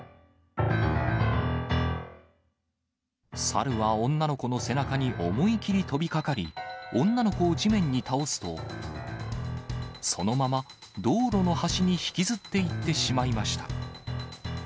猿は女の子の背中に思い切り飛びかかり女の子を地面に倒すと、そのまま道路の端に引きずっていってしまいました。